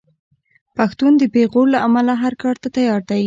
پښتون د پېغور له امله هر کار ته تیار دی.